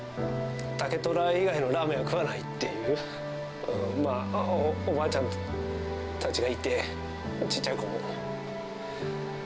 たけ虎以外のラーメン食わないっていう、おばあちゃんたちがいて、ちいちゃい子も。